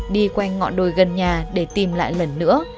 đi quanh ngọn đồi gần nhà để tìm lại lần nữa